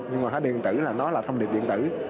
nhưng mà hóa điện tử là nó là thông điệp điện tử